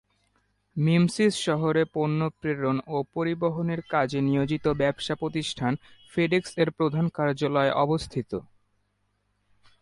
Memphis শহরে পণ্য প্রেরণ ও পরিবহনের কাজে নিয়োজিত ব্যবসা প্রতিষ্ঠান ফেডেক্স-এর প্রধান কার্যালয় অবস্থিত।